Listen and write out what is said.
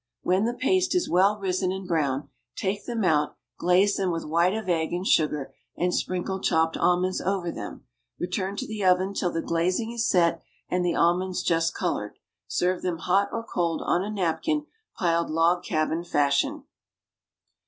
When the paste is well risen and brown, take them out, glaze them with white of egg and sugar, and sprinkle chopped almonds over them; return to the oven till the glazing is set and the almonds just colored; serve them hot or cold on a napkin piled log cabin fashion.